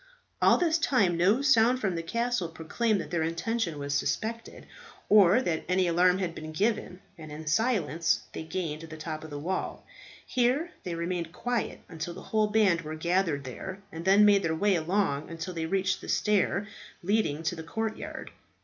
All this time no sound from the castle proclaimed that their intention was suspected, or that any alarm had been given, and in silence they gained the top of the wall. Here they remained quiet until the whole band were gathered there, and then made their way along until they reached the stairs leading to the courtyard.